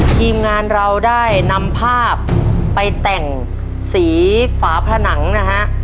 ทีมงานเราได้นำภาพไปแต่งสีฝาผนังนะฮะ